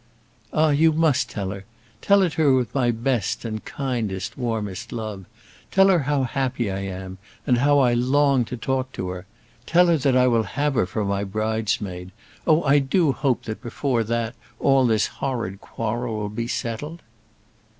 "Ah, you must tell her. Tell it her with my best, and kindest, warmest love. Tell her how happy I am, and how I long to talk to her. Tell that I will have her for my bridesmaid. Oh! I do hope that before that all this horrid quarrel will be settled."